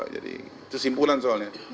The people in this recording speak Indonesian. jadi itu simpulan soalnya